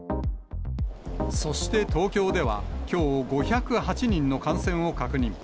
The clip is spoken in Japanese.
そして東京では、きょう５０８人の感染を確認。